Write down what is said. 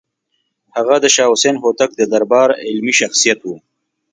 هغه د شاه حسین هوتک د دربار علمي شخصیت و.